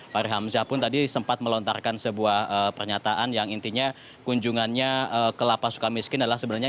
fahri hamzah pun tadi sempat melontarkan sebuah pernyataan yang intinya kunjungannya ke lapas suka miskin adalah sebenarnya